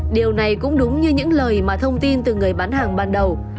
điều này cũng đúng như những lời mà thông tin từ người bán hàng ban đầu